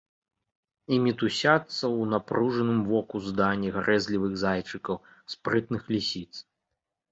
І мітусяцца ў напружаным воку здані гарэзлівых зайчыкаў, спрытных лісіц.